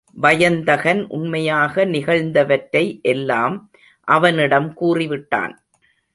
வயந்தகன் உண்மையாக நிகழ்ந்தவற்றை எல்லாம் அவனிடம் கூறிவிட்டான்.